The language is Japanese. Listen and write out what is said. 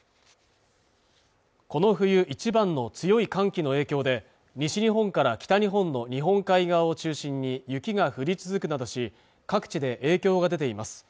この冬一番の強い寒気の影響で西日本から北日本の日本海側を中心に雪が降り続くなどし各地で影響が出ています